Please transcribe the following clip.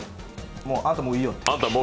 あんたもういいよって。